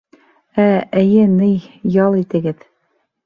Ә, эйе, ни, ял итегеҙ.